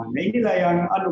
nah inilah yang aduh